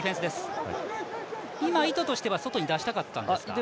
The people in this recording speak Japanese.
意図としては外に出したかったんですか？